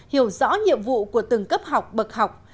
hiểu rõ nhiệm vụ của từng cấp học bậc học